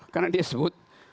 karena dia sebut